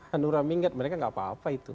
hanura minggat mereka nggak apa apa itu